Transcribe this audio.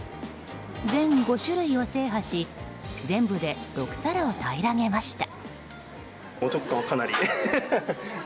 全５種類を制覇し全部で６皿を平らげました。